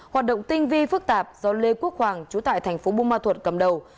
hoạt động tinh vi phức tạp do lê quốc hoàng chú tại tp bù ma thuật cầm đầu